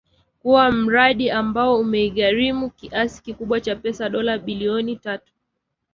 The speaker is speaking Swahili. kuwa mradi ambao umeigharimu kiasi kikubwa cha pesa dola bilioni tatu